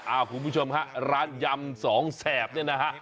คุณผู้ชมฮะร้านยำสองแสบเนี่ยนะฮะ